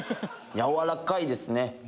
軟らかいですね。